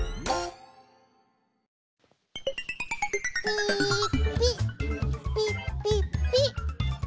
ピーッピッピッピッピッ！